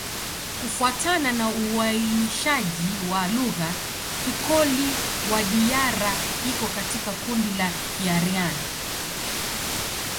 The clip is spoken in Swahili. Kufuatana na uainishaji wa lugha, Kikoli-Wadiyara iko katika kundi la Kiaryan.